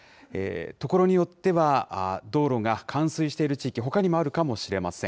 所によっては、道路が冠水している地域、ほかにもあるかもしれません。